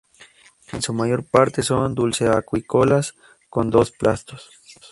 En su mayor parte son dulceacuícolas con dos plastos.